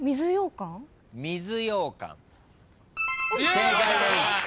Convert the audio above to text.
正解です。